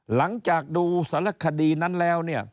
หลังจากดูสารคดีนั้นแล้วเนี่ย